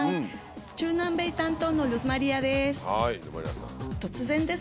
中南米担当のルスマリアです。